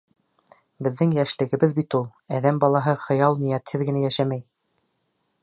Беҙҙең йәшлегебеҙ бит ул, Әҙәм балаһы хыял-ниәтһеҙ генә йәшәмәй.